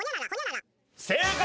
正解！